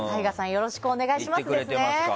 よろしくお願いしますですね。